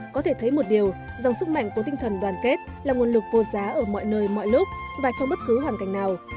có thể thấy một điều rằng sức mạnh của tinh thần đoàn kết là nguồn lực vô giá ở mọi nơi mọi lúc và trong bất cứ hoàn cảnh nào